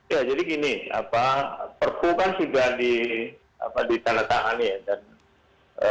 ya jadi gini perpukan sudah ditanahkan